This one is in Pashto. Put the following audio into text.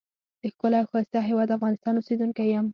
دښکلی او ښایسته هیواد افغانستان اوسیدونکی یم.